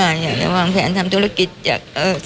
เอ่อหรือจะซื้อบ้านใหม่ให้แม่อะไรอย่างเงี้ย